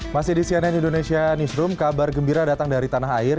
masih di cnn indonesia newsroom kabar gembira datang dari tanah air